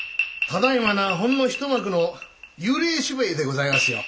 ただいまのはほんの一幕の幽霊芝居でございますよ。